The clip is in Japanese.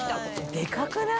でかくない？